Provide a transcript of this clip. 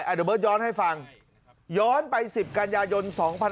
เดี๋ยวเบิ้ลย้อนให้ฟังย้อนไปสิบการยายน๒๑๕๑